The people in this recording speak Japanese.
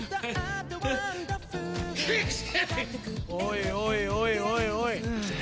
おいおいおいおいおい。